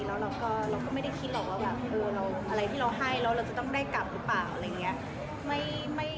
แล้วเราก็ไม่ได้คิดหรอกว่าแบบอะไรที่เราให้แล้วเราจะต้องได้กลับหรือเปล่าอะไรอย่างนี้